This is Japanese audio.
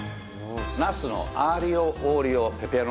ナスのアーリオ・オーリオ・ペペロンチーノ